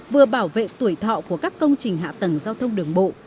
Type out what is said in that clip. vừa bảo vệ tuổi thọ của các công trình hạ tầng giao thông đường bộ